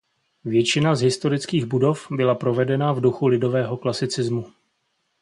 Většina z historických budov byla provedena v duchu lidového klasicismu.